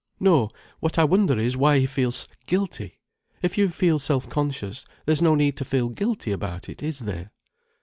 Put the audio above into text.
No, what I wonder is why he feels guilty. If you feel self conscious, there's no need to feel guilty about it, is there?"